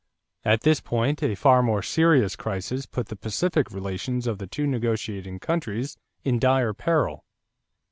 At this point a far more serious crisis put the pacific relations of the two negotiating countries in dire peril.